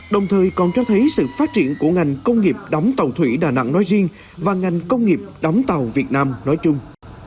đồng thời còn cho thấy sự phát triển của ngành công nghiệp đóng tàu thủy đà nẵng nói riêng và ngành công nghiệp đóng tàu việt nam nói chung